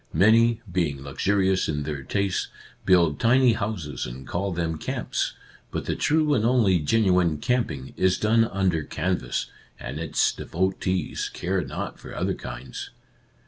Many, being luxurious in their tastes, build tiny houses and call them camps, but the true and only genuine " camping " is done under canvas, and its devotees care not for other kinds.